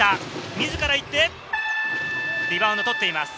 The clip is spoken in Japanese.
自らいってリバウンドをとっています。